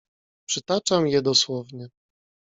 "Przytaczam je dosłownie."